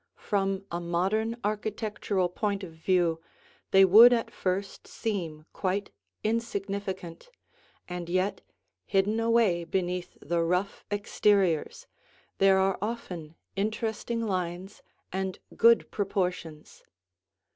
From a modern architectural point of view, they would at first seem quite insignificant, and yet, hidden away beneath the rough exteriors, there are often interesting lines and good proportions.